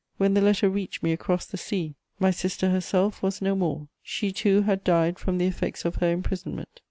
When the letter reached me across the sea, my sister herself was no more; she too had died from the effects of her imprisonment.